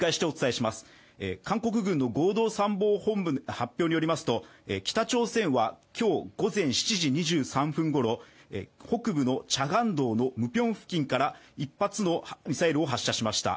韓国軍の合同参謀本部の発表によりますと北朝鮮は今日午前７時２３分頃北部のチャガン道のムピョンリ付近から１発のミサイルを発射しました。